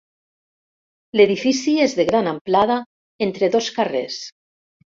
L'edifici és de gran amplada, entre dos carrers.